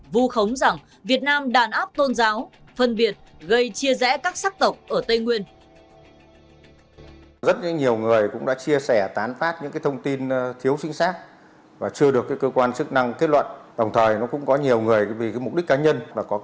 vu khống rằng việt nam đàn áp tôn giáo phân biệt gây chia rẽ các sắc tộc ở tây nguyên